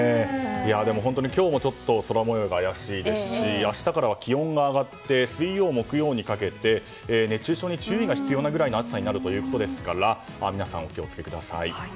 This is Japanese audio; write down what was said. でも本当に今日もちょっと空模様が怪しいですし明日からは気温が上がって水曜、木曜にかけて熱中症に注意が必要なくらいの暑さになるということですから皆さん、お気をつけください。